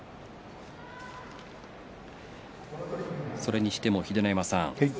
それにしても秀ノ山さん